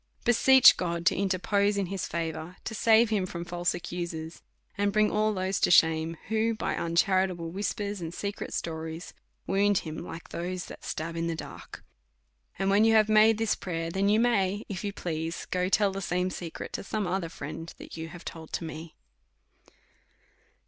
Beseech God to interpose in liis favour, to save him from false accusers, and bring all those to shame who, by uncharitable whispers and secret stories, wound l)im, like those who stab in the dark. And when you have made this prayer, then you may, if you please, go tell the same secret to some other friend, that you have told to me.